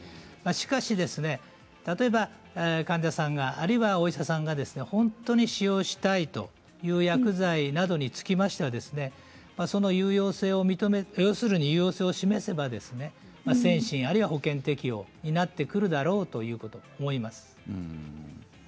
しかし例えば患者さんがあるいは、お医者さんが本当に使用したいという薬剤などにつきましてはその有用性を認める要するに有用性を示せば先進、あるいは保険適用になってくると思います。